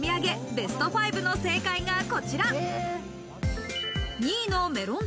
ベスト５の正解がこちら。